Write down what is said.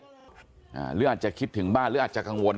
หรืออาจจะคิดถึงบ้านหรืออาจจะกังวล